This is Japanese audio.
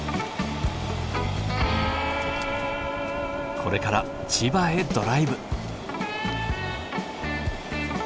これから千葉へドライブ。